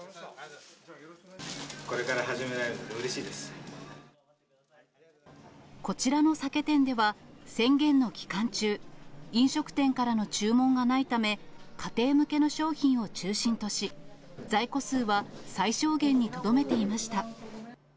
これから始められてうれしいこちらの酒店では、宣言の期間中、飲食店からの注文がないため、家庭向けの商品を中心とし、在庫数は、最小限にとどめていました。